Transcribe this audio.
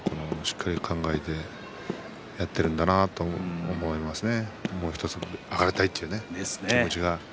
体作りを考えてやっているんだなと思われますね。